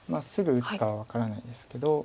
すぐ打つかは分からないですけど。